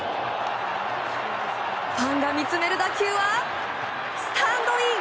ファンが見つめる打球はスタンドイン！